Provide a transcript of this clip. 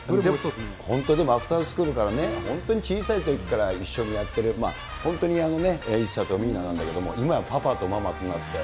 本当、アクターズスクールからね、本当に小さいときから一緒にやってる、本当にイッサとミーナなんだけど、今やパパとママとなって。